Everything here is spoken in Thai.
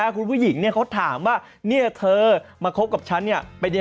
คนที่เหลือโชคดี